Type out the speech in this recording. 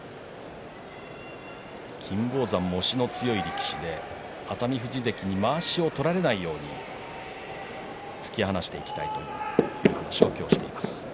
金峰山、押しの強い力士で熱海富士関にまわしを取られないように突き放していきたいという話をしていました。